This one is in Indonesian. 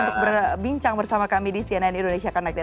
untuk berbincang bersama kami di cnn indonesia connected